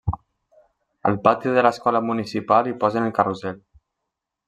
Al pati de l'escola municipal hi posen el carrusel.